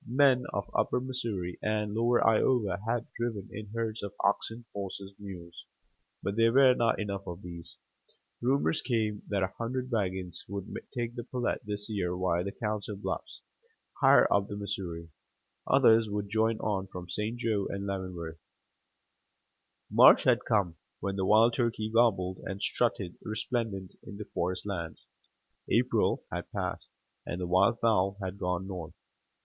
Men of upper Missouri and lower Iowa had driven in herds of oxen, horses, mules; but there were not enough of these. Rumors came that a hundred wagons would take the Platte this year via the Council Bluffs, higher up the Missouri; others would join on from St. Jo and Leavenworth. March had come, when the wild turkey gobbled and strutted resplendent in the forest lands. April had passed, and the wild fowl had gone north.